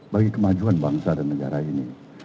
bagi kemajuan bangsa dan negara ini